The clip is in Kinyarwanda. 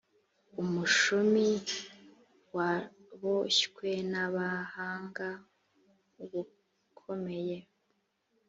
umushumi waboshywe n ‘abahanga ubukomeye.